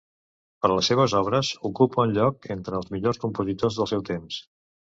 Per les seves obres, ocupa un lloc entre els millors compositors del seu temps.